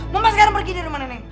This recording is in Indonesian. mama sekarang pergi dari rumah nenek